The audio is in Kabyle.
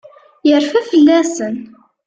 Yerfa fell-asen.